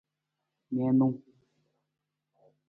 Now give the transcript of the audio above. Niinung.